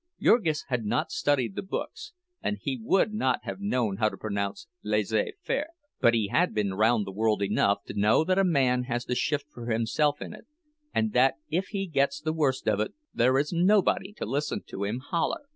Jurgis had not studied the books, and he would not have known how to pronounce "laissez faire"; but he had been round the world enough to know that a man has to shift for himself in it, and that if he gets the worst of it, there is nobody to listen to him holler.